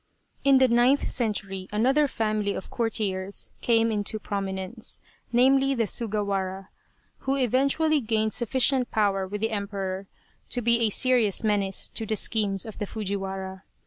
In the ninth century another family of courtiers came into prominence, namely the Sugawara, who eventually gained sufficient power with the Emperor to be a serious menace to the schemes of the Fujiwara.